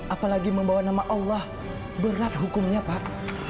apalagi membawa nama allah berat hukumnya pak